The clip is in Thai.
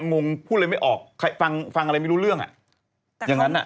ไม่มองพูดอะไรไม่ออกฟังอะไรไม่รู้เรื่องอ่ะอย่างนั้นอ่ะ